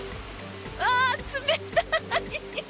ああ、冷たい！